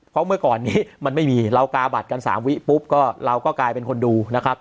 เพราะเมื่อก่อนนี้มันไม่มีเรากาบัตรกัน๓วิปุ๊บก็เราก็กลายเป็นคนดูนะครับ